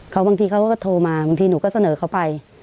บางทีเขาก็โทรมาบางทีหนูก็เสนอเขาไป